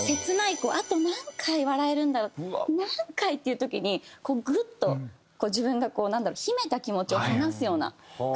こうあと何回笑えるんだろう何回っていう時にこうグッと自分がなんだろう？秘めた気持ちを話すような感覚を。